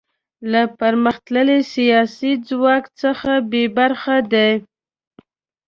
له پرمختللي سیاسي ځواک څخه بې برخې دي.